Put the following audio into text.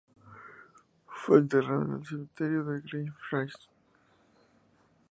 Fue enterrado en el cementerio de Greyfriars.